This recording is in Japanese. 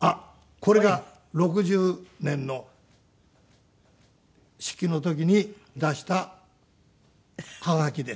あっこれが６０年の式の時に出したハガキです。